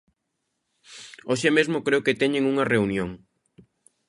Hoxe mesmo creo que teñen unha reunión.